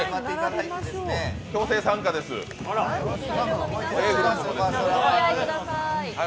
強制参加です、Ａぇ！